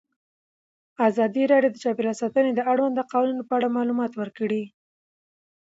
ازادي راډیو د چاپیریال ساتنه د اړونده قوانینو په اړه معلومات ورکړي.